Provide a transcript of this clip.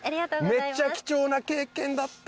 めっちゃ貴重な経験だったわ。